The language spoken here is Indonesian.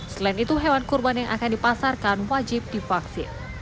selain itu hewan kurban yang akan dipasarkan wajib divaksin